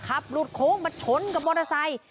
หลุดโค้งมาชนกับมอเตอร์ไซค์